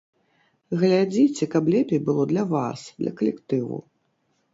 Глядзіце, каб лепей было для вас, для калектыву.